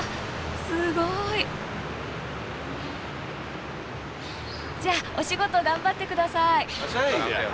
すごい！じゃあお仕事頑張ってください。